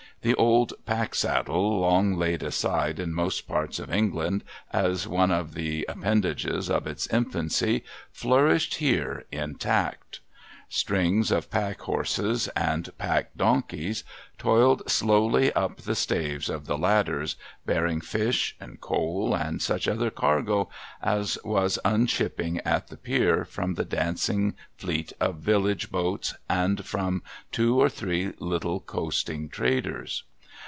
The old pack saddle, long laid aside in most parts of England as one of the appendages of its infancy, flourished here intact. Strings of pack horses and pack donkeys toiled slowly up the staves of the ladders, bearing tish, and coal, and such other cargo as was unshipping at the pier from the dancing fleet of village boats, and from two or three little coasting traders.